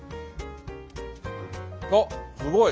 あっすごい！